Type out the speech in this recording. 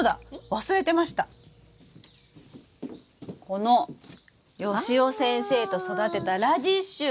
このよしお先生と育てたラディッシュ！